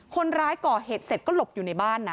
คนร้ายก่อเหตุเสร็จก็หลบอยู่ในบ้านนะ